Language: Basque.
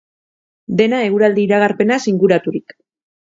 Dena eguraldi iragarpenaz inguraturik.